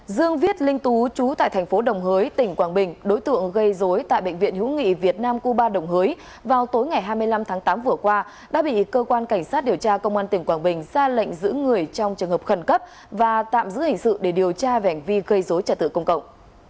dương viết linh tú chú tại thành phố đồng hới tỉnh quảng bình đối tượng gây dối tại bệnh viện hữu nghị việt nam cuba đồng hới vào tối ngày hai mươi năm tháng tám vừa qua đã bị cơ quan cảnh sát điều tra công an tỉnh quảng bình ra lệnh giữ người trong trường hợp khẩn cấp và tạm giữ hình sự để điều tra về hành vi gây dối trật tự công cộng